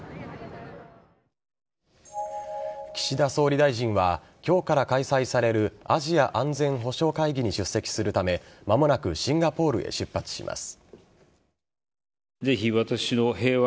岸田総理大臣は今日から開催されるアジア安全保障会議に出席するため間もなくシンガポールへ出発します。